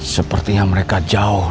sepertinya mereka jauh